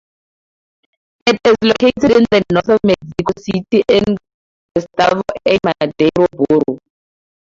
It is located in the north of Mexico City, in Gustavo A. Madero borough.